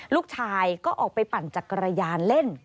ลูกชายก็ออกไปปั่นจักรยานเล่น